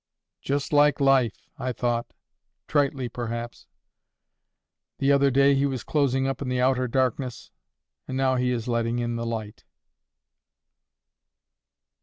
"Just like life," I thought—tritely perhaps. "The other day he was closing up in the outer darkness, and now he is letting in the light."